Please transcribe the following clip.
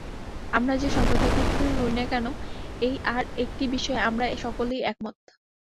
আমরা যে সম্প্রদায়ভুক্তই হই না কেন, এই আর একটি বিষয়ে আমরা সকলেই একমত।